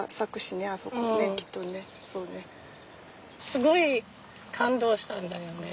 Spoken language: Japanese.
すごい感動したんだよね。